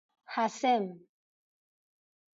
حسم